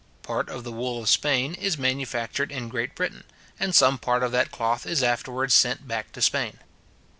Part of the wool of Spain is manufactured in Great Britain, and some part of that cloth is afterwards sent back to Spain.